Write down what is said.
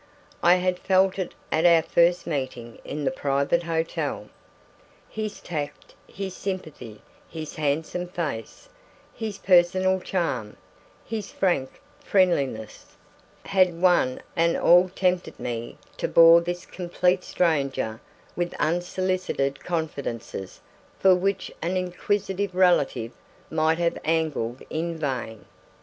I had felt it at our first meeting in the private hotel. His tact, his sympathy, his handsome face, his personal charm, his frank friendliness, had one and all tempted me to bore this complete stranger with unsolicited confidences for which an inquisitive relative might have angled in vain.